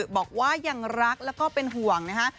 บอกว่ายังรักแล้วก็เป็นห่วงนะคะ